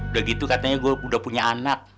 udah gitu katanya gue udah punya anak